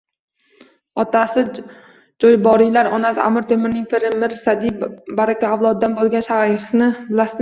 Otasi Joʻyboriylar, onasi Amir Temurning piri Mir Sayyid Baraka avlodidan boʻlgan shayxni bilasizmi?